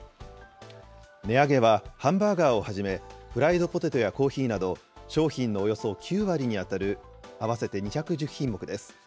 値上げはハンバーガーをはじめ、フライドポテトやコーヒーなど、商品のおよそ９割に当たる合わせて２１０品目です。